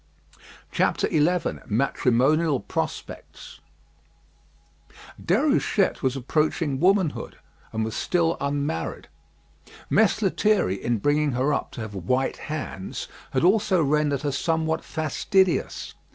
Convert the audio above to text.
XI MATRIMONIAL PROSPECTS Déruchette was approaching womanhood, and was still unmarried. Mess Lethierry in bringing her up to have white hands had also rendered her somewhat fastidious.